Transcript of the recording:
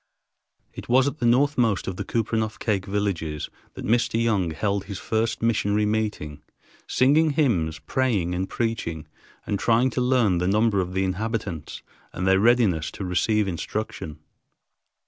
It was at the northmost of the Kupreanof Kake villages that Mr. Young held his first missionary meeting, singing hymns, praying, and preaching, and trying to learn the number of the inhabitants and their readiness to receive instruction.